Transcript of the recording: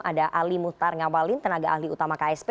ada ali muhtar ngabalin tenaga ahli utama ksp